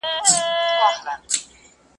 زاړه خلک په لاس کرنه کوله.